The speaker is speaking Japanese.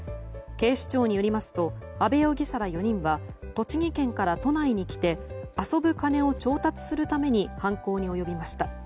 警視庁によりますと安部容疑者ら４人は栃木県から都内に来て遊ぶ金を調達するために犯行に及びました。